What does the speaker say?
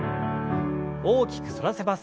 大きく反らせます。